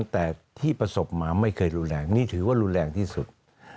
แต่ที่ประสบหมาไม่เคยรุนแรงนี่ถือว่ารุนแรงที่สุด